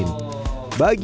jumlah baku roti